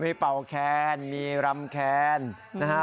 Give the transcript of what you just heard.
มีเป่าแคนมีรำแคนนะฮะ